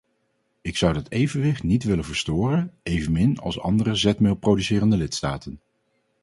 Ik zou dat evenwicht niet willen verstoren, evenmin als andere zetmeel producerende lidstaten.